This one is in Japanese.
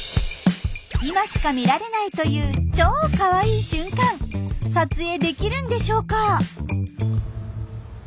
今しか見られないという超カワイイ瞬間撮影できるんでしょうか？